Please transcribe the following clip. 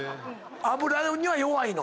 脂には弱いの？